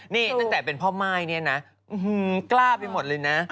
นี่ตั้งแต่เป็นพ่อไม้เนี่ยนะ